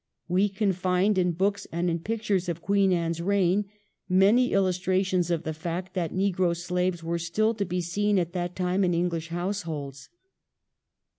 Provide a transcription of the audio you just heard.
We can find in books and in pictures of Anne's reign many illus trations of the fact that negro slaves were still to be seen at that time in English households.